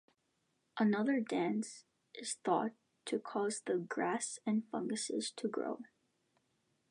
Another dance is thought to cause the grass and funguses to grow.